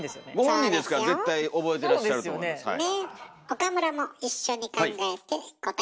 岡村も一緒に考えて答えて下さい。